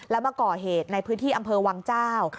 แล้วมาก่อเหตุในพื้นที่อำเภอวังเจ้า